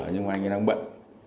nhưng mà anh ấy đang bận